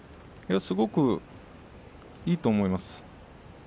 すごくいいと思います。